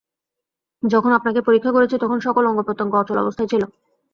যখন আপনাকে পরীক্ষা করেছি তখন সকল অঙ্গপ্রত্যঙ্গ অচল অবস্থায় ছিল।